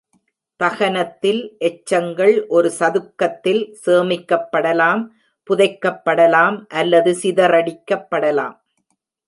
தகனத்தில், எச்சங்கள் ஒரு சதுக்கத்தில் சேமிக்கப்படலாம், புதைக்கப்படலாம் அல்லது சிதறடிக்கப்படலாம்.